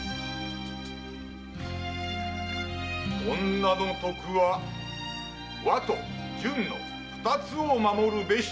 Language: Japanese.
「女の徳は和と順の二つを守るべし」